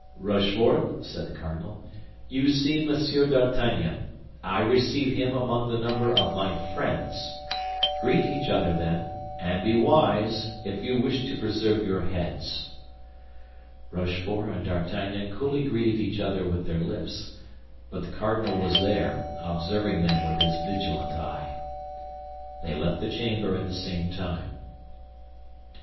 "Rochefort," said the cardinal, "you see Monsieur d'Artagnan. I receive him among the number of my friends. Greet each other, then; and be wise if you wish to preserve your heads." Rochefort and D'Artagnan coolly greeted each other with their lips; but the cardinal was there, observing them with his vigilant eye. They left the chamber at the same time.